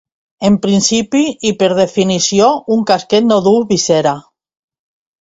En principi, i per definició, un casquet no duu visera.